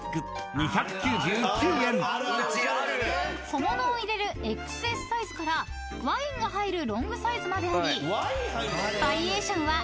［小物を入れるＸＳサイズからワインが入るロングサイズまであり］